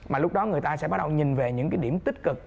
mà lúc đó người ta sẽ bắt đầu nhìn về những cái điểm tích cực